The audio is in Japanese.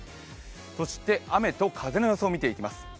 そして雨と風の予想を見ていきます。